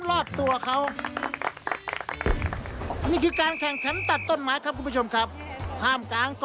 เห็นอาการแบบนี้แล้วจนคนตกปลา